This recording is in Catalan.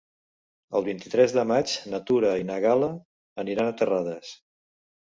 El vint-i-tres de maig na Tura i na Gal·la aniran a Terrades.